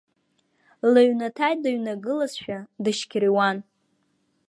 Лҩнаҭа дыҩнагылазшәа, дышьқьыруан.